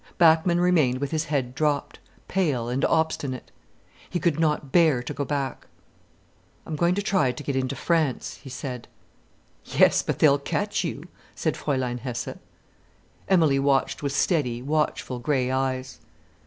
Bachmann remained with his head dropped, pale and obstinate. He could not bear to go back. "I'm going to try to get into France," he said. "Yes, but they'll catch you," said Fräulein Hesse. Emilie watched with steady, watchful grey eyes.